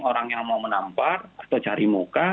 orang yang mau menampar atau cari muka